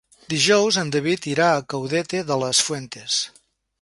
Dijous en David irà a Caudete de las Fuentes.